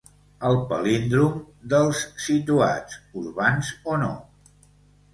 El palíndrom dels situats, urbans o no.